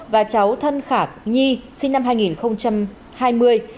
và cháu thân khả nhi sinh năm hai nghìn hai mươi